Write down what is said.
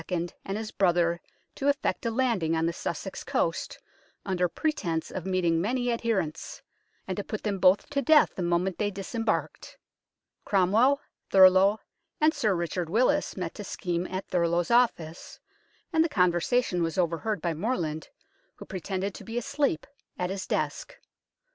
and his brother to effect a landing on the Sussex coast, under pretence of meeting many adherents, and to put them both to death the moment they disembarked. Cromwell, Thurloe, and Sir Richard Willis met to scheme at Thurloe's office, and the conver sation was overheard by Morland, who pretended to be asleep at his desk.